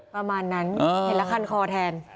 ประมาณนั้นเห็นแล้วคันคอแทน